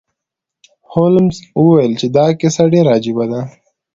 هولمز وویل چې دا کیسه ډیره عجیبه ده.